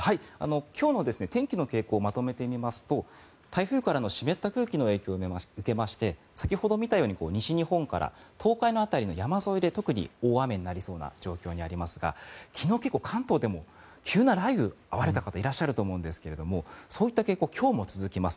今日の天気の傾向をまとめてみますと台風からの湿った空気の影響を受けまして先ほど見たように西日本から東海の辺りの山沿いで特に大雨になりそうな状況にありますが昨日関東でも急な雷雨に遭われた方いらっしゃると思うんですがそういった傾向が今日も続きます。